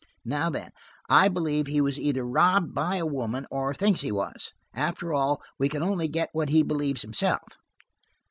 Now then, I believe he was either robbed by a woman, or thinks he was. After all, we can only get what he believes himself.